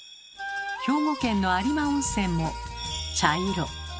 兵庫県の有馬温泉も茶色。